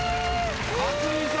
・・克実さん！